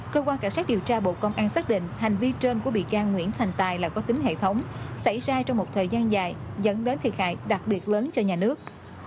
cơ quan cảnh sát điều tra bộ công an xác định hành vi trên của bị can nguyễn thành tài là có tính hệ thống xảy ra trong một thời gian dài dẫn đến thiệt hại đặc biệt lớn cho nhà nước